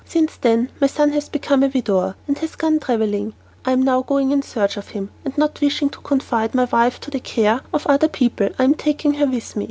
Since then my son has become a widower and has gone travelling. I am now going in search of him, and not wishing to confide my wife to the care of other people, I am taking her with me.